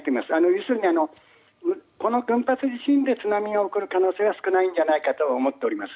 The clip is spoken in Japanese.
要するに、この群発地震で津波が起こる可能性は少ないんじゃないかと思っております。